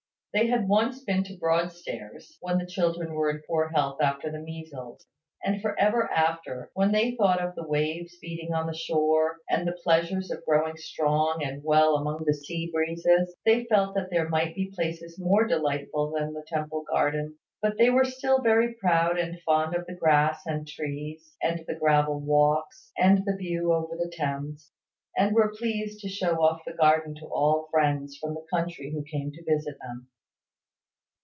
They had once been to Broadstairs, when the children were in poor health after the measles: and for ever after, when they thought of the waves beating on the shore, and of the pleasures of growing strong and well among the sea breezes, they felt that there might be places more delightful than the Temple Garden: but they were still very proud and fond of the grass and trees, and the gravel walks, and the view over the Thames, and were pleased to show off the garden to all friends from the country who came to visit them.